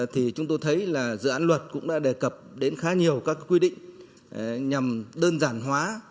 thì chúng tôi thấy là dự án luật cũng đã đề cập đến khá nhiều các quy định nhằm đơn giản hóa